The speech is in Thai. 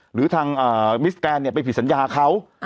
หรือทางเอ่อมิสแกนเนี้ยไปผิดสัญญาเขาอ้าว